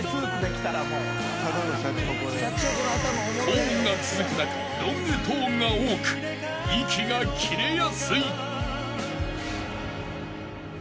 ［高音が続く中ロングトーンが多く息が切れやすい］